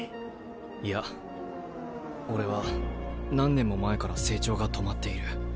いや俺は何年も前から成長が止まっている。